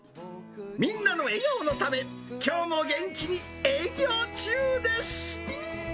みんなの笑顔のため、きょうも元気に営業中です。